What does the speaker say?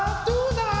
どうだ？